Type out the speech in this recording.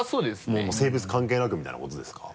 もう性別関係なくみたいなことですか？